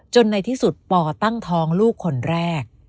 ในที่สุดปอตั้งท้องลูกคนแรก